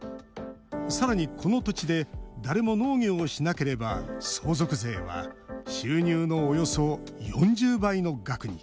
さらに、この土地で誰も農業をしなければ相続税は収入のおよそ４０倍の額に。